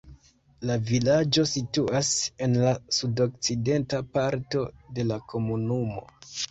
La vilaĝo situas en la sudokcidenta parto de la komunumo.